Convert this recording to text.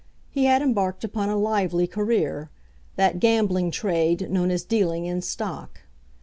He had embarked upon a lively career that gambling trade known as dealing in stock.